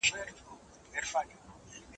هري خوا ته يې سكروټي غورځولي